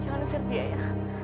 jangan usir dia ya